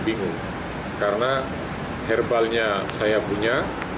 bentuk laporan balik pada metro jaya